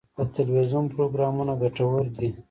د تلویزیون پروګرامونه ګټور دي.